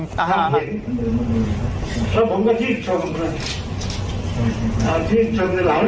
เพราะผมก็ที่ชมที่ชมในหลายเรียกที่สภาพรุมเมืองและความ